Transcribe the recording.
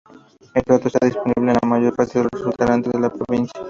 El plato está disponible en la mayor parte de los restaurantes de la provincia.